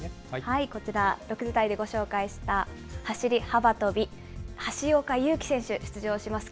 こちら、６時台でご紹介した走り幅跳び、橋岡優輝選手、出場します。